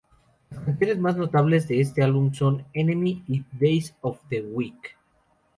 Las canciones más notables de este álbum son "Enemy" y "Daze of the Weak".